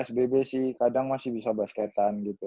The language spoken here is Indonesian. sbb sih kadang masih bisa basketan gitu